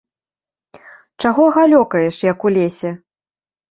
Чаго галёкаеш, як у лесе!